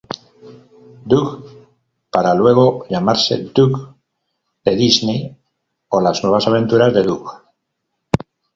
Doug para luego llamarse Doug de Disney o Las nuevas aventuras de Doug.